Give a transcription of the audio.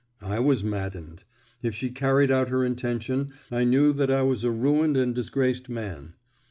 I was maddened. If she carried out her intention I knew that I was a ruined and disgraced man.